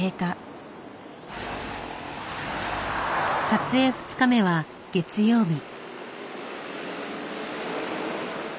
撮影２日目は月曜日。